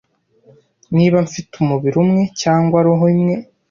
niba mfite umubiri umwe cyangwa roho imwe